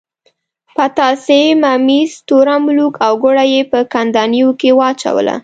پتاسې، ممیز، تور املوک او ګوړه یې په کندانیو کې واچوله.